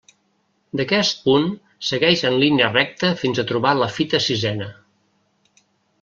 D'aquest punt segueix en línia recta fins a trobar la fita sisena.